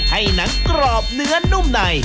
ให้หนังกรอบเนื้อนุ่มใน